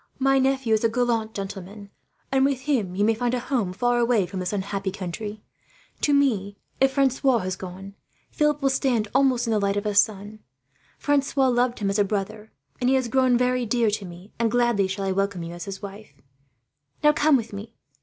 My nephew is a gallant gentleman, and with him you may find a home far away from this unhappy country. To me, if Francois has gone, Philip will stand almost in the light of a son. Francois loved him as a brother, and he has grown very dear to me, and gladly shall I welcome you as his wife. "Now, come with me.